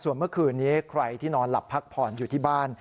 ส่วนเมื่อคืนนี้ใครที่นอนหลับพักผ่อนอยู่ที่บ้าน